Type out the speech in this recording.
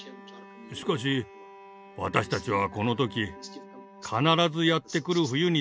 しかし私たちはこの時必ずやって来る冬について考えていました。